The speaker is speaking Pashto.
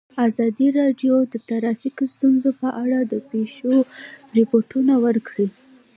ازادي راډیو د ټرافیکي ستونزې په اړه د پېښو رپوټونه ورکړي.